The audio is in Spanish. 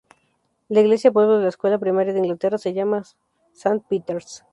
La Iglesia pueblo de la escuela primaria de Inglaterra se llama St.Peters.